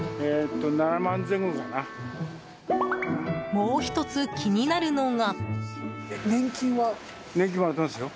もう１つ、気になるのが。